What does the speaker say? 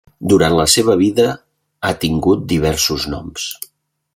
Durant la seva vida ha tingut diversos noms.